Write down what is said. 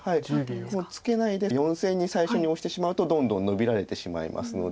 もうツケないで４線に最初にオシてしまうとどんどんノビられてしまいますので。